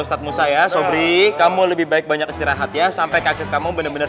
ustadz musa ya sobre kamu lebih baik banyak istirahat ya sampai kaki kamu bener bener